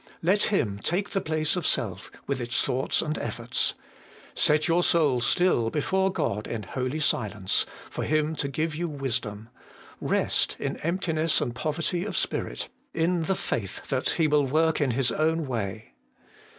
Let Him take the place of self, with its thoughts and efforts. Set your soul still before God in holy silence, for Him to give you wisdom ; rest, in emptiness and poverty of spirit, in the faith that He will work in His own way.